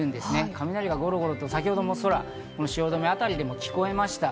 雷がゴロゴロと、先ほど汐留あたりでも聞こえました。